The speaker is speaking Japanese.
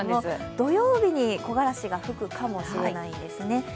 土曜日に木枯らしが吹くかもしれないんですね。